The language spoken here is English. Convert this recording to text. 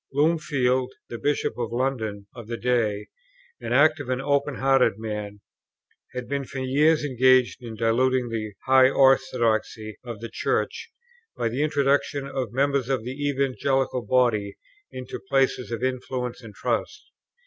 Blomfield, the Bishop of London of the day, an active and open hearted man, had been for years engaged in diluting the high orthodoxy of the Church by the introduction of members of the Evangelical body into places of influence and trust.